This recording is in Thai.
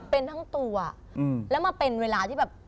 เป็นทั้งตัวแล้วมาเป็นเวลาที่แบบ